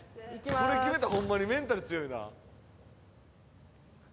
これ決めたらホンマにメンタル強いな。